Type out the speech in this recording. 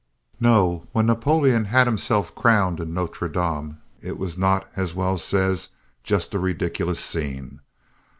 No, when Napoleon had himself crowned in Nôtre Dame it was not, as Wells says, "Just a ridiculous scene."